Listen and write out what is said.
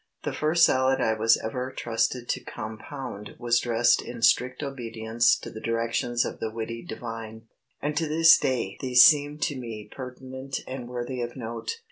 The first salad I was ever trusted to compound was dressed in strict obedience to the directions of the witty divine, and to this day these seem to me pertinent and worthy of note.